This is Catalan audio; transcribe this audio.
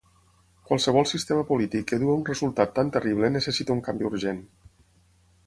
Qualsevol sistema polític que du a un resultat tan terrible necessita un canvi urgent.